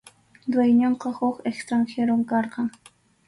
Dueñonqa huk extranjerom karqan.